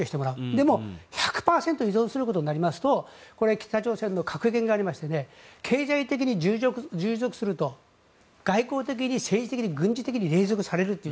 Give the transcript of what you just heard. でも、１００％依存することになりますと北朝鮮の格言がありまして経済的に従属すると外国的に政治的に軍事的に隷属されるという。